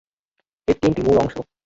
এর তিনটি মূল অংশ।